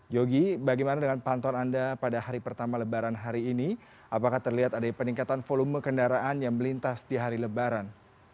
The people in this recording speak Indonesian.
yogi bagaimana dengan pantauan anda pada hari pertama lebaran hari ini apakah terlihat ada peningkatan volume kendaraan yang melintas di hari lebaran